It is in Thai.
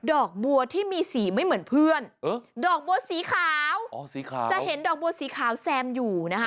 ดอกบัวที่มีสีไม่เหมือนเพื่อนดอกบัวสีขาวอ๋อสีขาวจะเห็นดอกบัวสีขาวแซมอยู่นะคะ